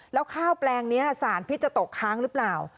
แล้วข้าวแปลงนี้สารพิษจะตกค้างหรือเปล่า